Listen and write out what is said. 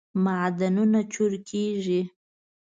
معدنونه چورکیږی